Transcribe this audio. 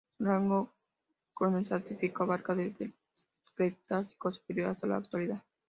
Su rango cronoestratigráfico abarca desde el Cretácico superior hasta la Actualidad.